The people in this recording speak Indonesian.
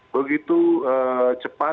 begitu cepat ya